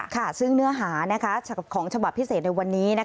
ซึ่งเนื้อหาของฉบับพิเศษในวันนี้